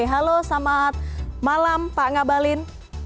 halo selamat malam pak ngabalin